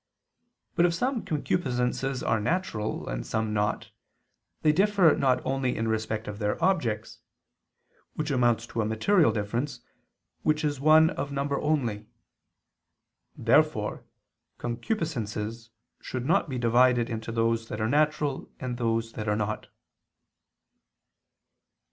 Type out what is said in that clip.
But if some concupiscences are natural, and some not, they differ only in respect of their objects; which amounts to a material difference, which is one of number only. Therefore concupiscences should not be divided into those that are natural and those that are not.